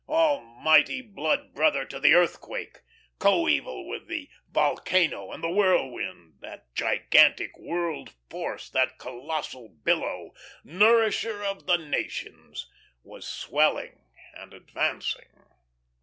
Almighty, blood brother to the earthquake, coeval with the volcano and the whirlwind, that gigantic world force, that colossal billow, Nourisher of the Nations, was swelling and advancing.